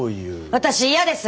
私嫌です。